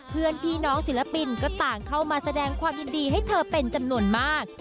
เพื่อนพี่น้องศิลปินก็ต่างเข้ามาแสดงความยินดีให้เธอเป็นจำนวนมาก